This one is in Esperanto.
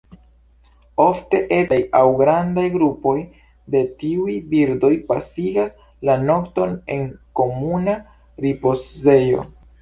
Ofte etaj aŭ grandaj grupoj de tiuj birdoj pasigas la nokton en komuna ripozejo.